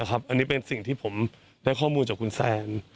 อันนี้เป็นสิ่งที่ผมได้ข้อมูลจากคุณแซน